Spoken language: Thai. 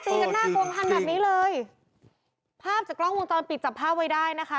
กันหน้ากองพันธุ์แบบนี้เลยภาพจากกล้องวงจรปิดจับภาพไว้ได้นะคะ